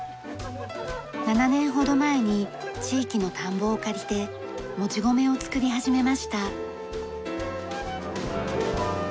７年ほど前に地域の田んぼを借りてもち米を作り始めました。